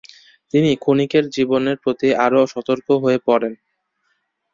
তিনি ক্ষণিকের জীবনের প্রতি আরও সতর্ক হয়ে পড়েন ।